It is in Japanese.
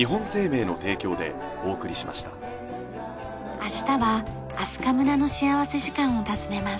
明日は明日香村の幸福時間を訪ねます。